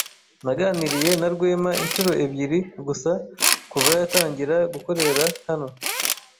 Naganiriye na Rwema inshuro ebyiri gusa kuva yatangira gukorera hano.